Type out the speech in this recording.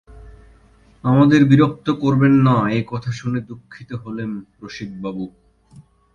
আমাদের বিরক্ত করবেন না এ কথা শুনে দুঃখিত হলেম রসিকবাবু!